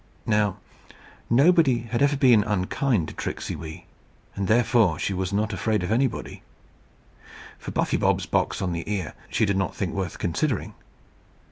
Now, nobody had ever been unkind to Tricksey Wee, and therefore she was not afraid of anybody. For Buffy Bob's box on the ear she did not think worth considering.